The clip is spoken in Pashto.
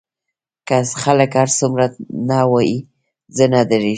که خلک هر څومره نه ووايي زه نه درېږم.